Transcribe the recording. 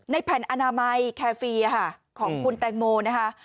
แผ่นอนามัยแคฟีของคุณแตงโมนะคะ